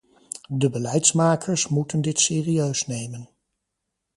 De beleidsmakers moeten dit serieus nemen.